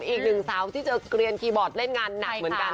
อีกหนึ่งสาวที่เจอเกลียนคีย์บอร์ดเล่นงานหนักเหมือนกัน